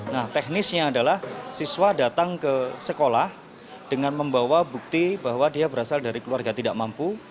nah teknisnya adalah siswa datang ke sekolah dengan membawa bukti bahwa dia berasal dari keluarga tidak mampu